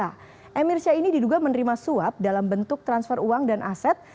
emir syah ini diduga menerima suap dalam bentuk transfer uang dan aset